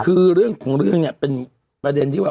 คือเรื่องของเรื่องเนี่ยเป็นประเด็นที่ว่า